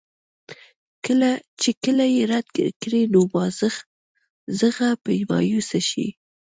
چې کله ئې رد کړي نو مازغۀ به مايوسه شي